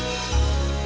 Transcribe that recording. ya aku ambil